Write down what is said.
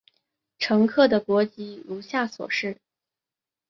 乘客的国籍如下所示。